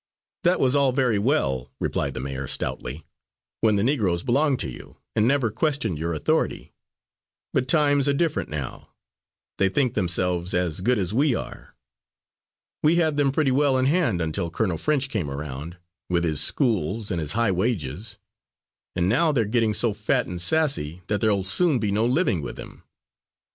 "That was all very well," replied the mayor, stoutly, "when the Negroes belonged to you, and never questioned your authority. But times are different now. They think themselves as good as we are. We had them pretty well in hand until Colonel French came around, with his schools, and his high wages, and now they are getting so fat and sassy that there'll soon be no living with them.